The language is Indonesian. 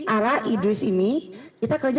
ara idris ini kita kerja